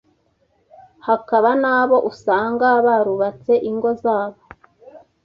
hakaba n’abo usanga barubatse ingo zabo”.